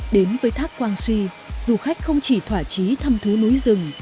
đến với thác quang sì du khách không chỉ thỏa chí thăm thú núi rừng